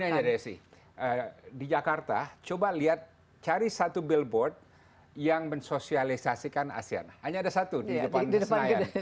ini aja desi di jakarta coba lihat cari satu billboard yang mensosialisasikan asean hanya ada satu di depan senayan